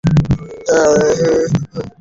তারা বলে, ইহুদী বা খৃস্টান হও, ঠিক পথ পাবে।